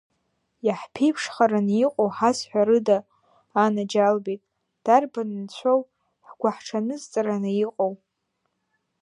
Иаҳԥеиԥшхараны иҟоу ҳазҳәарыда, анаџьалбеит, дарбан нцәоу ҳгәаҳҽанызҵараны иҟоу?!